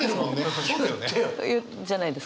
じゃないですか？